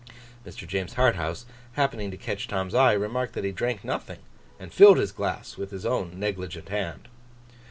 Mr. James Harthouse, happening to catch Tom's eye, remarked that he drank nothing, and filled his glass with his own negligent hand.